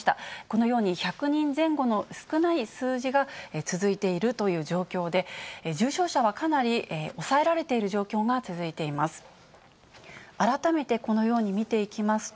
このように、１００人前後の少ない数字が続いているという状況で、重症者はかなり抑えられている状況が続いています。